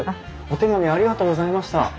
お手紙ありがとうございました。